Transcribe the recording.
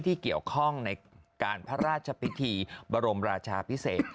ที่เกี่ยวข้องในการพระราชพิธีบรมราชาพิเศษ